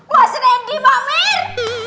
mas rendy mbak mir